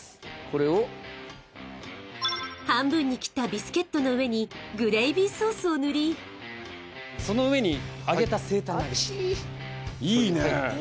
これを半分に切ったビスケットの上にグレイビーソースを塗りその上に揚げたセイタンナゲットあっちぃーいいね！